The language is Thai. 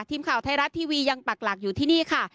ทีมข่าวไทยรัฐทีวียังปักหลักอยู่ที่นี่ค่ะ